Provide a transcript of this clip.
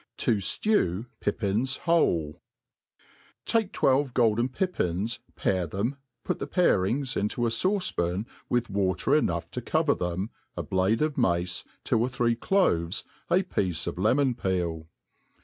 Tj Ji^w Pippins whole, TAKE twelve golden pippins, pare them, put the parings ^nto a fauce pan with water enough to cover them, a blade of mate, two or three cloves, a piece of lemon peel.